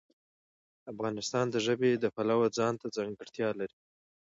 افغانستان د ژبې د پلوه ځانته ځانګړتیا لري.